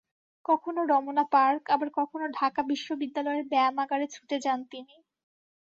কখনো রমনা পার্ক, আবার কখনো ঢাকা বিশ্ববিদ্যালয়ের ব্যায়ামাগারে ছুটে যান তিনি।